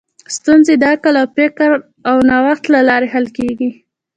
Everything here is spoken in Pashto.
ستونزې د عقل، فکر او نوښت له لارې حل کېږي.